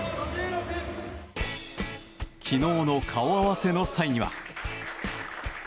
昨日の顔合わせの際には。